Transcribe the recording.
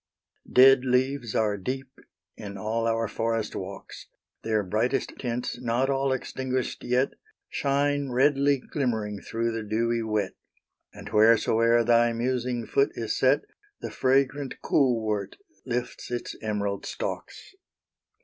Dead leaves are deep in all our forest walks; Their brightest tints not all extinguished yet, Shine redly glimmering through the dewy wet; And whereso'er thy musing foot is set, The fragrant cool wort lifts its emerald stalks.